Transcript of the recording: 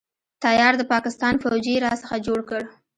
تيار د پاکستان فوجي يې را څخه جوړ کړ.